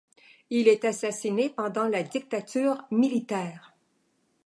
Il est assassiné pendant la dictature militaire.